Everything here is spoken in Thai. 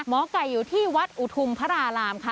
หมอไก่อยู่ที่วัดอุทุมพระรารามค่ะ